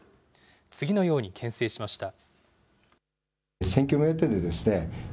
次のようにけん制しました。